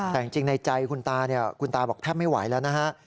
แต่จริงในใจคุณตาเนี่ยคุณตาบอกแทบไม่ไหวแล้วนะฮะ